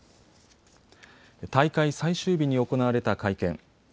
大会最終日に行われた会見。